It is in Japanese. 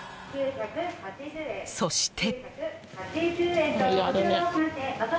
そして。